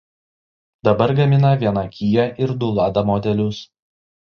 Dabar gamina viena Kia ir du Lada modelius.